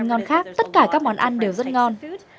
ngon khác tất cả các món ăn đều rất ngon